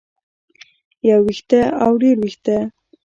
يو وېښتۀ او ډېر وېښتۀ